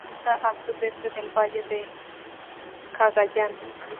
Se encuentra al sudeste del Valle de Cagayan.